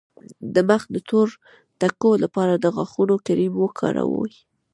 د مخ د تور ټکو لپاره د غاښونو کریم وکاروئ